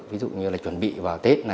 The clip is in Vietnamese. ví dụ như chuẩn bị vào tết